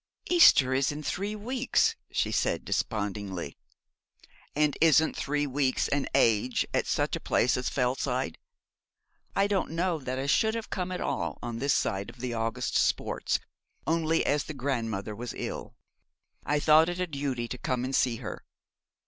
'Easter is in three weeks,' she said, despondingly. 'And isn't three weeks an age, at such a place as Fellside? I don't know that I should have come at all on this side of the August sports, only as the grandmother was ill, I thought it a duty to come and see her.